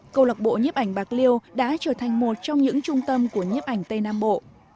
câu lọc bộ nhếp ảnh bạc liêu đã trở thành một trong những trung tâm của nhếp ảnh tây nam bộ